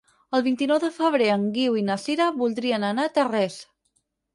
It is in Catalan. El vint-i-nou de febrer en Guiu i na Sira voldrien anar a Tarrés.